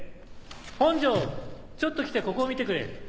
本庄ちょっと来てここを見てくれ。